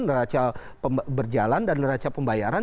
neraca berjalan dan neraca pembayaran